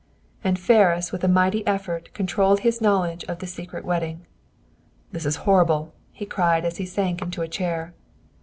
And Ferris, with a mighty effort, controlled his knowledge of the secret wedding. "This is horrible!" he cried, as he sank into a chair.